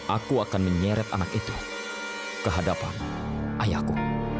aku akan menyeret anak itu kehadapan ayahku